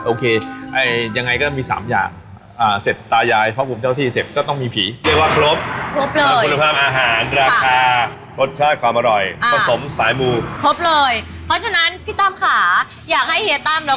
โอเคอย่างไรก็มี๓อย่าง